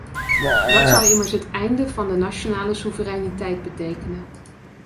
Dat zou immers het einde van de nationale soevereiniteit betekenen.